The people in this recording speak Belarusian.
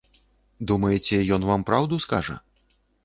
Думаеце, ён вам праўду скажа?